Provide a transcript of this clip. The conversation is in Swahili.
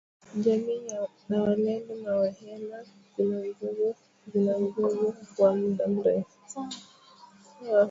Jamii za walendu na wahema zina mzozo, zina mzozo wa muda mrefu